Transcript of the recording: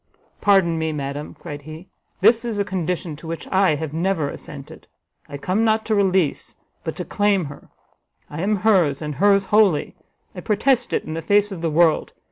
"Pardon me, madam," cried he, "this is a condition to which I have never assented. I come not to release, but to claim her! I am hers, and hers wholly! I protest it in the face of the world!